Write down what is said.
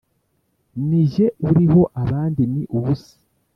«ni jye uriho, abandi ni ubusa !»